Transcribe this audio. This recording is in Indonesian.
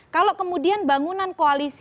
kalau kemudian bangunan koalisi